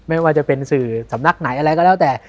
ไม่ว่าจะเป็นสื่อสำนักไหนอะไรก็แล้วแต่